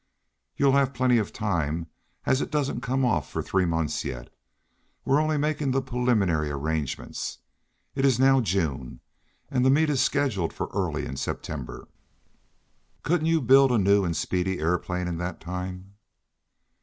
You'll have plenty of time, as it doesn't come off for three months yet. We are only making the preliminary arrangements. It is now June, and the meet is scheduled for early in September. Couldn't you build a new and speedy aeroplane in that time?"